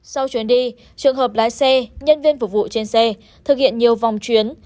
sau chuyến đi trường hợp lái xe nhân viên phục vụ trên xe thực hiện nhiều vòng chuyến